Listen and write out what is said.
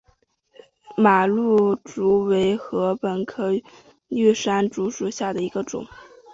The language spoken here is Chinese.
马鹿竹为禾本科玉山竹属下的一个种。